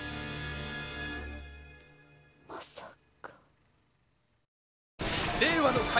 まさか。